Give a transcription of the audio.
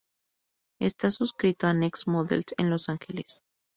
Está suscrito a Next Models en Los Ángeles.